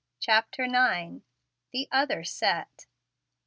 CHAPTER IX. "THE OTHER SET."